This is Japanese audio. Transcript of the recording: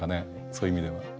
そういう意味では。